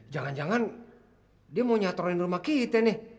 jangan jangan dia mau nyatorin rumah kita nih